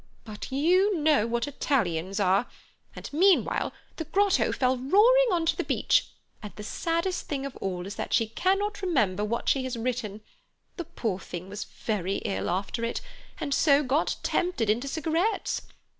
But you know what Italians are, and meanwhile the Grotto fell roaring on to the beach, and the saddest thing of all is that she cannot remember what she has written. The poor thing was very ill after it, and so got tempted into cigarettes.